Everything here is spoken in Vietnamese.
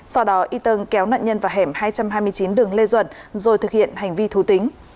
sau đó y tân kéo nạn nhân vào hẻm hai trăm hai mươi chín đường lê duẩn rồi thực hiện hành vi thú tính